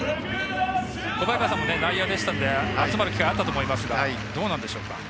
小早川さんも内野でしたので集まる機会があったと思いますがどうなんでしょうか？